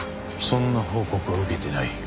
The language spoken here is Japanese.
そんな報告は受けてない。